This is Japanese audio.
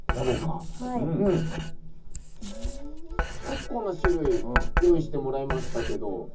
結構な種類用意してもらいましたけど。